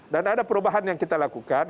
dan ada perubahan yang kita lakukan